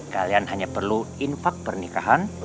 kalian hanya perlu infak pernikahan